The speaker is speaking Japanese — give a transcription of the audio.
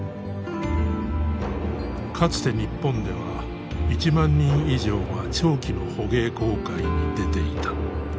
かつて日本では１万人以上が長期の捕鯨航海に出ていた。